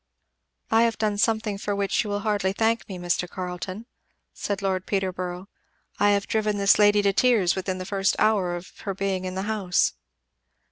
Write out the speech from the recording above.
"I have done something for which you will hardly thank me, Mr. Carleton," said Lord Peterborough. "I have driven this lady to tears within the first hour of her being in the house."